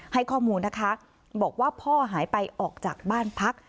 ให้ข้อมูลนะคะบอกว่าพ่อหายไปออกจากบ้านพัก